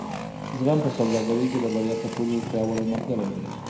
زغم په سوداګرۍ کې د بریا تر ټولو پیاوړی ملګری دی.